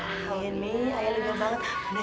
amin mi ayo lebih baik banget